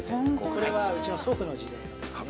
◆これはうちの祖父の時代のです。